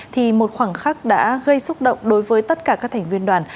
thì một khoảng khắc đã gây xúc động đối với tất cả các thành viên đoàn